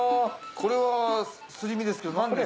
これはすり身ですけど。